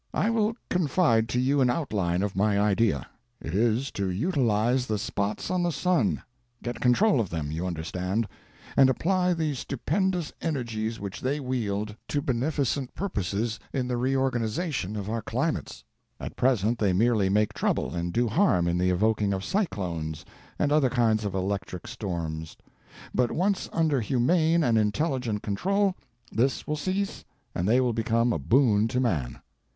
I will confide to you an outline of my idea. It is to utilize the spots on the sun—get control of them, you understand, and apply the stupendous energies which they wield to beneficent purposes in the reorganizing of our climates. At present they merely make trouble and do harm in the evoking of cyclones and other kinds of electric storms; but once under humane and intelligent control this will cease and they will become a boon to man.